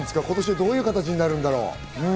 どういう形になるんだろう？